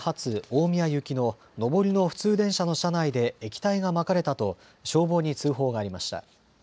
大宮行きの上りの普通電車の車内で液体がまかれたと消防に通報がありました。